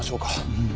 うん。